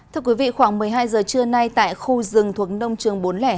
thưa quý vị khoảng một mươi hai giờ trưa nay tại khu rừng thuộc nông trường bốn trăm linh hai